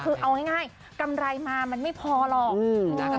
คือเอาง่ายกำไรมามันไม่พอหรอก